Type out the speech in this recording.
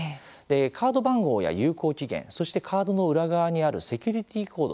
カード番号や有効期限そして、カードの裏側にあるセキュリティーコード